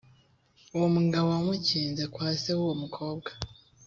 uwo mugabo wamukinze kwase w’ uwo mukobwa.